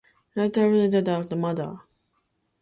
Richter played for Queen Elizabeth The Queen Mother.